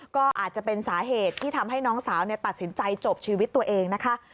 ก็อาจจะเป็นสาเหตุที่ทำให้น้องสาวตัดสินใจจบชีวิตตัวเองนะคะ